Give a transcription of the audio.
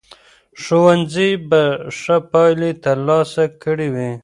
ښوونځي به ښه پایلې ترلاسه کړې وي.